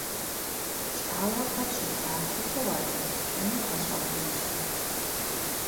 ПкӀауэхэр щылъатэкӀэ уакӀэлъыплъыну гъэщӀэгъуэнщ.